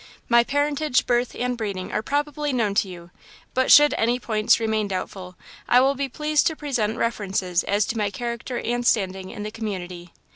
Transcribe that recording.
"My parentage, birth, and breeding are probably known to you, but should any points remain doubtful, I will be pleased to present references as to my character and standing in the community.